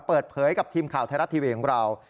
เปิดเผยกับทีมข่าวไทยรัฐทีวีของเรา